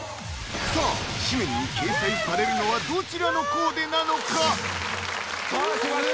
さあ誌面に掲載されるのはどちらのコーデなのか⁉さあ来ました！